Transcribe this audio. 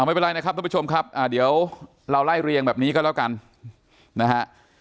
ไม่เป็นไรนะครับทุกผู้ชมครับเดี๋ยวเราไล่เรียงแบบนี้ก็แล้วกันนะฮะ